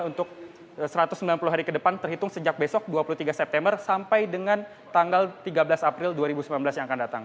untuk satu ratus sembilan puluh hari ke depan terhitung sejak besok dua puluh tiga september sampai dengan tanggal tiga belas april dua ribu sembilan belas yang akan datang